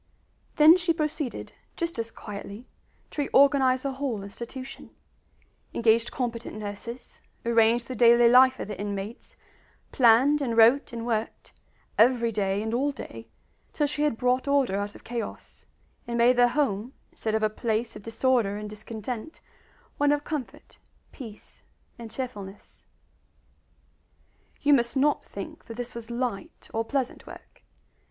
Then she proceeded, just as quietly, to reorganize the whole institution; engaged competent nurses, arranged the daily life of the inmates, planned and wrote and worked, every day and all day, till she had brought order out of chaos, and made the home, instead of a place of disorder and discontent, one of comfort, peace, and cheerfulness. You must not think that this was light or pleasant work.